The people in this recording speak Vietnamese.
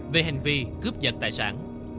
về hành vi cướp giật tài sản